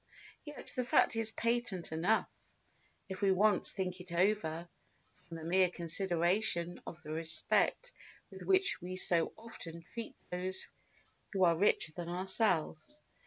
Yet the fact is patent enough, if we once think it over, from the mere consideration of the respect with which we so often treat those who are richer than ourselves.